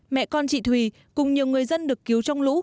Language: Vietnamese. mẹ con chị thùy cùng nhiều người dân được cứu trong lũ